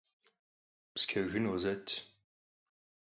Psçe gın khızet.